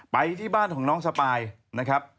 ไปที่บ้านของน้องสปายนะครับ